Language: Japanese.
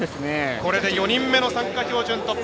これで４人目の参加標準突破。